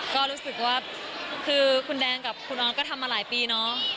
ก็รู้สึกว่าคือคุณแดงกับคุณออสก็ทำมาหลายปีเนาะ